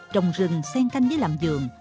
trồng rừng sen canh với làm giường